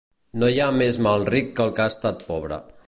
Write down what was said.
No hi ha més mal ric que el que ha estat pobre.